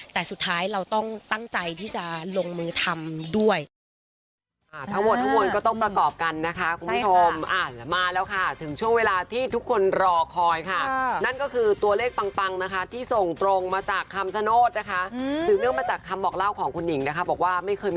แต่สุดท้ายเราต้องตั้งใจที่จะลงมือทำด้วย